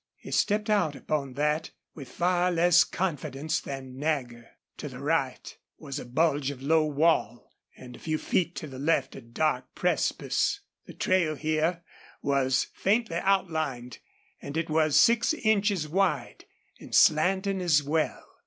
He stepped out upon that with far less confidence than Nagger. To the right was a bulge of low wall, and a few feet to the left a dark precipice. The trail here was faintly outlined, and it was six inches wide and slanting as well.